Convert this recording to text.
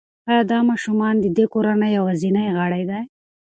ایا دا ماشوم د دې کورنۍ یوازینی غړی دی؟